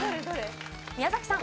宮崎さん。